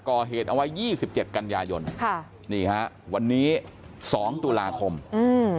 ก่อเหตุเอาไว้ยี่สิบเจ็ดกันยายนค่ะนี่ฮะวันนี้สองตุลาคมอืม